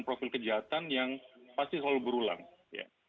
profil kejahatan yang pasti selalu berulang ya